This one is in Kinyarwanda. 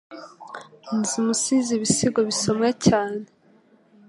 Nzi umusizi ibisigo bisomwa cyane.